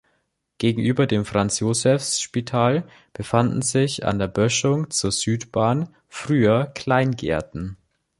Gegenüber dem Franz-Josefs-Spital befanden sich an der Böschung zur Südbahn früher Kleingärten.